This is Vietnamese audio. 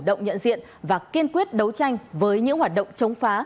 động nhận diện và kiên quyết đấu tranh với những hoạt động chống phá